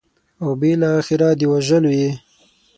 او بالاخره د وژلو یې.